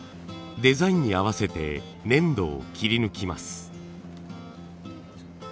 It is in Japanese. デザインに合わせて粘土を切り抜きます。